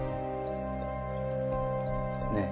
ねえ。